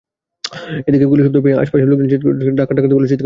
এদিকে গুলির শব্দ পেয়ে আশপাশের লোকজন ডাকাত ডাকাত বলে চিৎকার শুরু করেন।